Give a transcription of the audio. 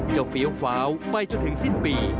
เฟี้ยวฟ้าวไปจนถึงสิ้นปี